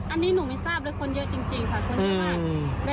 อันนี้หนูไม่ทราบเลยคนเยอะจริงค่ะคนเยอะมาก